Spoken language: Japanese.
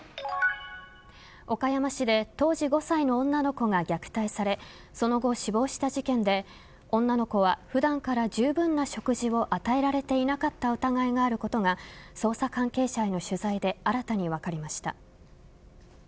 岡山市で当時５歳の女の子が虐待されその後、死亡した事件で女の子は普段から十分な食事を与えられていなかった疑いがあることが捜査関係者への取材で新たに分かりました。